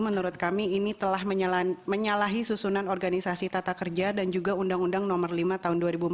menurut kami ini telah menyalahi susunan organisasi tata kerja dan juga undang undang nomor lima tahun dua ribu empat belas